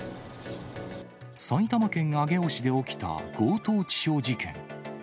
埼玉県上尾市で起きた強盗致傷事件。